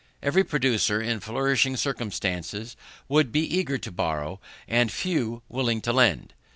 Every producer in flourishing circumstances would be eager to borrow, and few willing to lend.